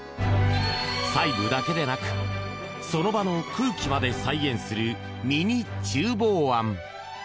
細部だけでなくその場の空気まで再現するミニ厨房庵。